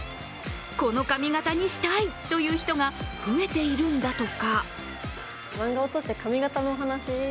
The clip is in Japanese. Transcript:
この髪形にしたいという人が増えているんだとか。